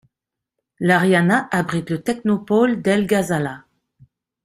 L'Ariana abrite le technopôle d'El Ghazala.